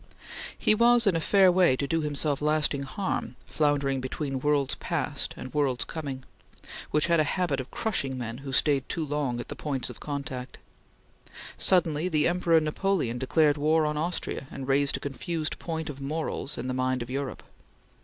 He was in a fair way to do himself lasting harm, floundering between worlds passed and worlds coming, which had a habit of crushing men who stayed too long at the points of contact. Suddenly the Emperor Napoleon declared war on Austria and raised a confused point of morals in the mind of Europe.